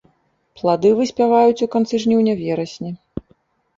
Плады выспяваюць у канцы жніўня-верасні.